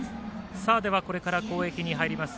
これから攻撃に入ります